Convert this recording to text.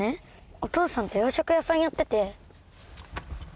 お父さんと洋食屋さんやってて。